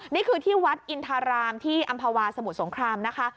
นี่คือที่วัดอินทารามที่อำภาวาสมุทรสงครามนะคะ